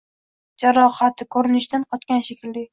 Jarohati, ko‘rinishidan, qotgan shekilli.